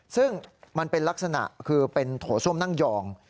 ซึ่งมันเป็นลักษณะคือเป็นโถส้วมนั่งยอง